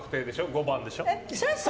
５番でしょ。